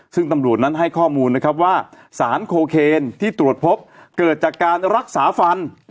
ซึ่งตำรวจนั้นให้ข้อมูลนะครับว่าสารโคเคนที่ตรวจพบเกิดจากการรักษาฟัน